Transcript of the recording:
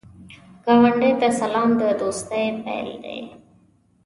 ګاونډي ته سلام، د دوستۍ پیل دی